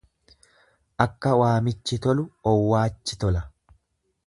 Akka waamichi tolu owwaachi tola.